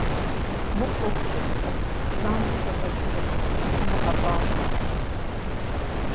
Мыр Ӏуэху цӀыкӀукъым, занщӀэу зэфӀэкӀынукъым, сумыгъэпӀащӀэ.